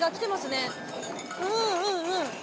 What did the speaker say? うんうんうん。